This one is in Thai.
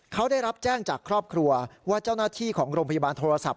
เขาได้รับแจ้งจากครอบครัวว่าเจ้าหน้าที่ของโรงพยาบาลโทรศัพท์